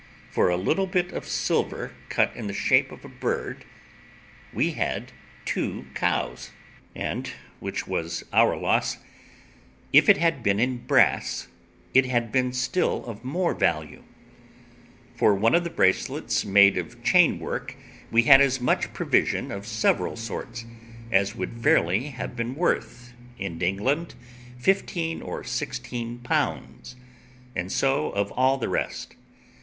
For a little bit of silver cut in the shape of a bird, we had two cows, and, which was our loss, if it had been in brass, it had been still of more value. For one of the bracelets made of chain work, we had as much provision of several sorts, as would fairly have been worth, in England, fifteen or sixteen pounds; and so of all the rest.